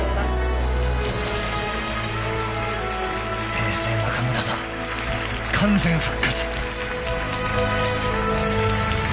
［平成中村座完全復活］